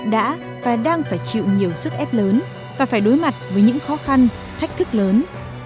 đã và đang phải chịu nhiều sức ép lớn và phải đối mặt với những khó khăn thách thức lớn